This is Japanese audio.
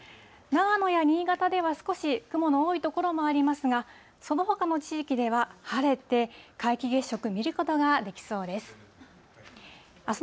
長野や新潟では少し雲の多い所もありますが、そのほかの地域では晴れて、皆既月食、見ることができそうです。